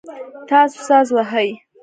تاسو ساز وهئ؟